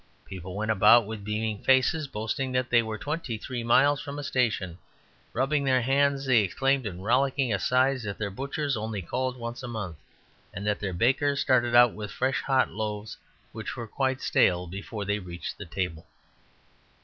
People went about with beaming faces, boasting that they were twenty three miles from a station. Rubbing their hands, they exclaimed in rollicking asides that their butcher only called once a month, and that their baker started out with fresh hot loaves which were quite stale before they reached the table.